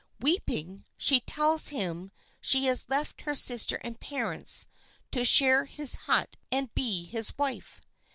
Weeping, she tells him she has left her sister and parents to share his hut and be his wife.